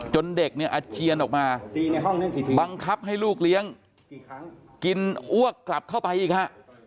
เด็กเนี่ยอาเจียนออกมาบังคับให้ลูกเลี้ยงกินอ้วกกลับเข้าไปอีกฮะ